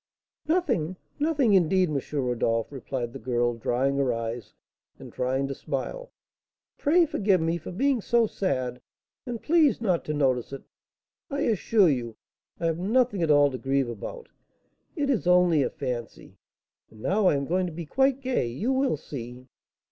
"Nothing, nothing indeed, M. Rodolph," replied the girl, drying her eyes and trying to smile. "Pray forgive me for being so sad, and please not to notice it. I assure you I have nothing at all to grieve about, it is only a fancy; and now I am going to be quite gay, you will see."